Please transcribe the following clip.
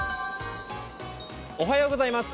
おはようございます。